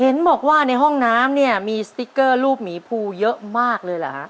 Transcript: เห็นบอกว่าในห้องน้ำเนี่ยมีสติ๊กเกอร์รูปหมีภูเยอะมากเลยเหรอฮะ